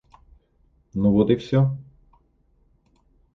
Ну вот и все.